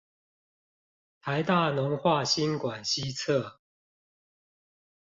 臺大農化新館西側